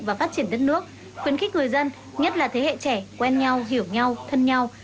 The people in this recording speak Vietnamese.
và phát triển đất nước khuyến khích người dân nhất là thế hệ trẻ quen nhau hiểu nhau thân nhau